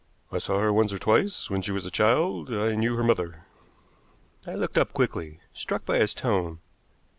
"I saw her once or twice when she was a child. I knew her mother." I looked up quickly, struck by his tone.